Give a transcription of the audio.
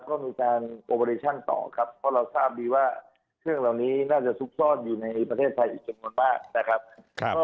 ต่อครับเพราะเราทราบดีว่าเครื่องเหล่านี้น่าจะซุกซ่อนอยู่ในประเทศไทยอีกจนกว่ามากนะครับ